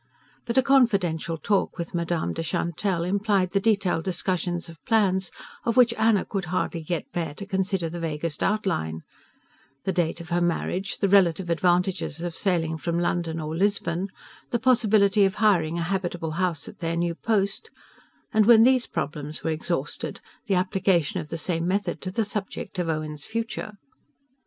But a confidential talk with Madame de Chantelle implied the detailed discussion of plans of which Anna could hardly yet bear to consider the vaguest outline: the date of her marriage, the relative advantages of sailing from London or Lisbon, the possibility of hiring a habitable house at their new post; and, when these problems were exhausted, the application of the same method to the subject of Owen's future.